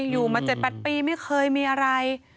อยู่มา๗๘ปีไม่เคยมีอะไร